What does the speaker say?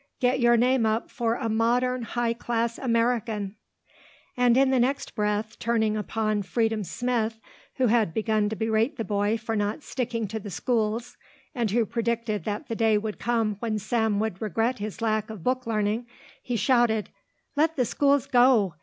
Get your name up for a modern, high class American!" And in the next breath, turning upon Freedom Smith who had begun to berate the boy for not sticking to the schools and who predicted that the day would come when Sam would regret his lack of book learning, he shouted, "Let the schools go!